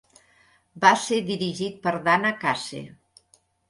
Va ser dirigit per Dana Case.